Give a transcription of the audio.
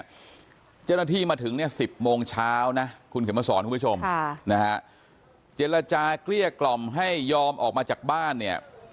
แปลว่าเจ้าหน้าที่มาถึงเนี่ยอยากเกร้ากลมให้ย้ำออกมาจากบ้านเนี่ย